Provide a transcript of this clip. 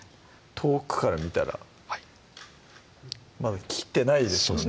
遠くから見たらまだ切ってないですもんね